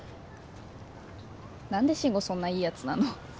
何で慎吾そんないいやつなの？